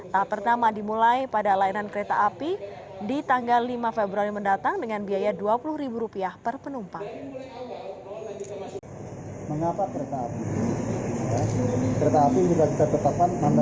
tahap pertama dimulai pada layanan kereta api di tanggal lima februari mendatang dengan biaya rp dua puluh per penumpang